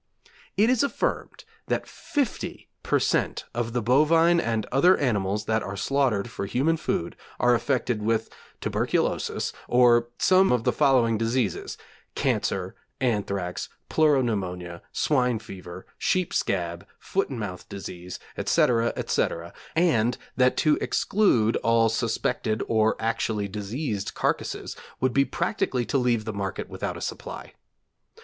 It is affirmed that 50 per cent. of the bovine and other animals that are slaughtered for human food are affected with Tuberculosis, or some of the following diseases: Cancer, Anthrax, Pleuro Pneumonia, Swine Fever, Sheep Scab, Foot and Mouth Disease, etc., etc., and that to exclude all suspected or actually diseased carcasses would be practically to leave the market without a supply.